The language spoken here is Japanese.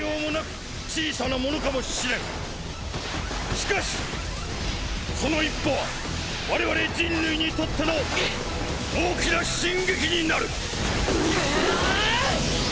しかしその一歩は我々人類にとっての大きな進撃になる。